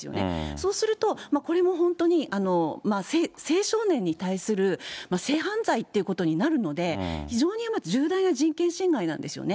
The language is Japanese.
そうすると、これも本当に青少年に対する性犯罪ってことになるので、非常に重大な人権侵害なんですよね。